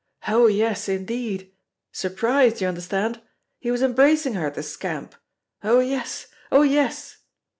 Oh! yes, indeed surprised, you understand? He was embracing her, the scamp. Oh! yes oh! yes."